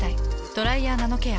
「ドライヤーナノケア」。